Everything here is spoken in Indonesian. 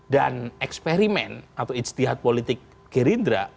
dan eksperimen atau istihad politik gerindra